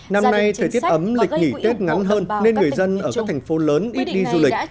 năm nay thời tiết ấm lịch nghỉ tết ngắn hơn nên người dân ở các thành phố lớn ít đi du lịch